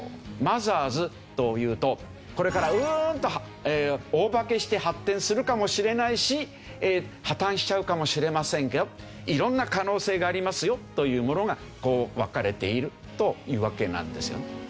マザーズというとこれからうーんと大化けして発展するかもしれないし破綻しちゃうかもしれませんよ色んな可能性がありますよというものが分かれているというわけなんですよね。